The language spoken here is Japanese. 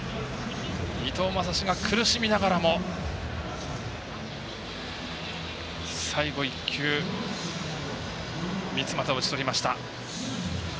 伊藤将司が苦しみながらも最後１球三ツ俣を打ち取りました。